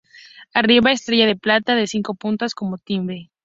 Arriba, estrella de plata, de cinco puntas, como timbre.